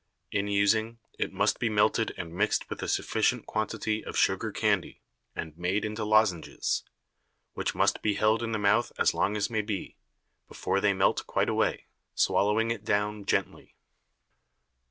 In using, it must be melted and mix'd with a sufficient Quantity of Sugar Candy, and made into Lozenges, which must be held in the Mouth as long as may be, before they melt quite away, swallowing it down gently.